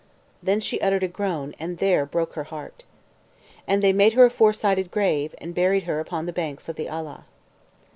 Then she uttered a groan, and there broke her heart. And they made her a four sided grave, and buried her upon the banks of the Alaw.